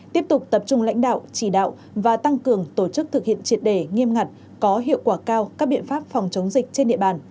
tiếp tục tập trung lãnh đạo chỉ đạo và tăng cường tổ chức thực hiện triệt đề nghiêm ngặt có hiệu quả cao các biện pháp phòng chống dịch trên địa bàn